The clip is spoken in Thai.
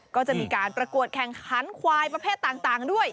ก็จะมีการประกวดแข่งขันควายประเภทต่างด้วย